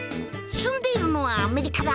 住んでいるのはアメリカだ。